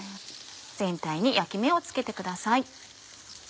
全体に焼き目をつけてください。